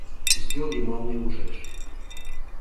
Ӱстел йымалне ужеш...